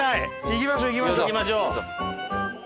行きましょう！